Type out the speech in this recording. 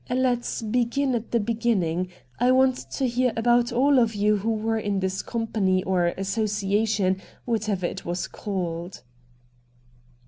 ' Let's begin at the beginning. I want to hear about all of you who were in this company or association, whatever it was called.'